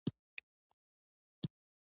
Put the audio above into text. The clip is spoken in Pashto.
هغه به د سیکهانو له سخت مقاومت سره مخامخ شي.